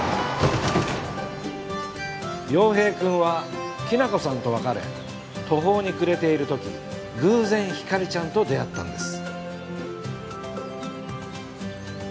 陽平くんはきなこさんと別れ途方に暮れているとき偶然ひかりちゃんと出会ったんです。